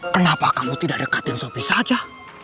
kenapa kamu tidak dekatin sopi saja